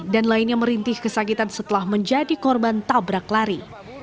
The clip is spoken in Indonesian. dan lainnya merintih kesakitan setelah menjadi korban tabrak lari